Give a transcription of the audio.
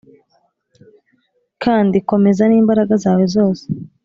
kandi komeza n'imbaraga zawe zose.